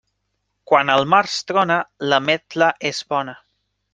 Quan al març trona, l'ametla és bona.